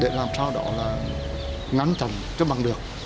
để làm sao đó là ngắn thẳng chứ bằng được